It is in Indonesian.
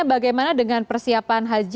bagaimana dengan persiapan haji